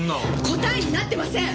答えになってません！